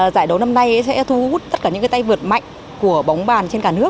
giải đấu năm nay sẽ thu hút tất cả những tay vật mạnh